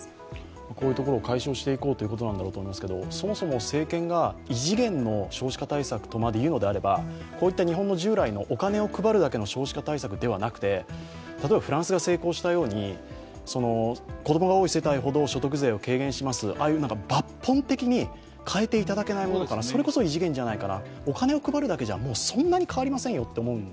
こういうところを解消していこうということなんだろうと思いますけどそもそも政権が異次元の少子化対策とまで言うのであればこういった日本の従来のお金を配るだけの政策ではなくて例えばフランスが成功したように、子供が多い世帯ほど所得税を軽減します、ああいう抜本的に変えていただけないかな、それこそ異次元じゃないかな、お金を配るだけじゃそんなに変わりませんよと。